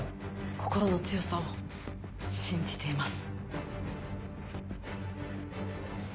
心の強さを信じています。